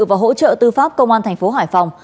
và hỗ trợ tư pháp công an thành phố hải phòng